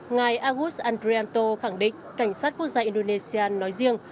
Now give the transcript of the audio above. ngài agus andreanto khẳng định cảnh sát quốc gia indonesia nói riêng